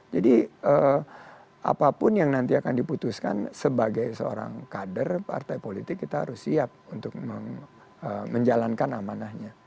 jadi apapun yang nanti akan diputuskan sebagai seorang kader partai politik kita harus siap untuk menjalankan amanahnya